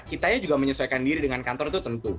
kita juga menyesuaikan diri dengan kantor itu tentu